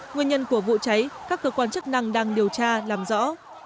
nguyên nhân của vụ cháy các cơ quan chức năng đang điều tra làm rõ